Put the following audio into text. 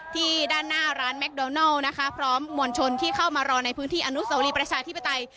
ด้านหน้าร้านแมคโดนัลนะคะพร้อมมวลชนที่เข้ามารอในพื้นที่อนุสวรีประชาธิปไตย